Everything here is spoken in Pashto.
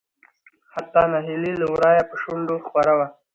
حتا نهيلي له ورايه په شنډو خوره وه .